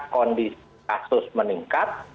kondisi kasus meningkat